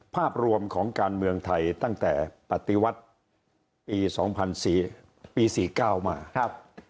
ภาพรวมของการเมืองไทยตั้งแต่ปฏิวัติปี๒๔ปี๔๙มาครับ